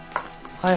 はい。